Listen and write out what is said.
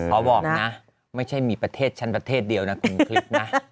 บอกนะไม่ใช่มีประเทศฉันประเทศเดียวนะคุณคลิปนะ